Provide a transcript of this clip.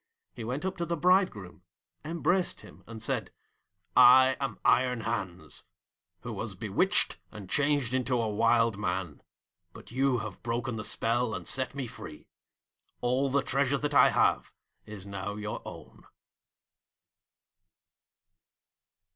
He went up to the Bridegroom, embraced him, and said, 'I am Iron Hans, who was bewitched and changed into a Wild Man; but you have broken the spell and set me free. All the treasure that I have is now your own.'